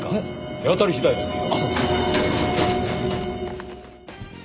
手当たり次第ですよ。